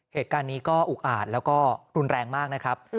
เหตุการณ์นี้ก็อุกอาจแล้วก็รุนแรงมากนะครับ